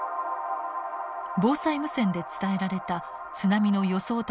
防災無線で伝えられた津波の予想